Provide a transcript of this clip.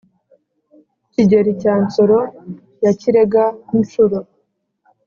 kigeli cya nsoro ya kirega-ncuro,